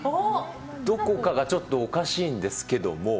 どこかがちょっとおかしいんですけども。